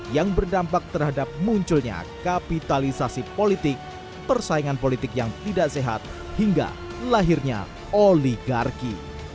yang berdampak terhadap munculnya kapitalisasi politik persaingan politik yang tidak sehat hingga lahirnya oligarki